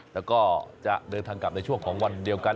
แล้วก็จะเดินทางกลับในช่วงของวันเดียวกัน